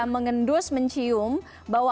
mengendus mencium bahwa